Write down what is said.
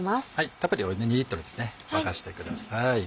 たっぷり湯２沸かしてください。